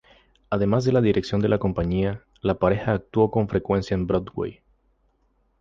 Además de la dirección de la compañía, la pareja actuó con frecuencia en Broadway.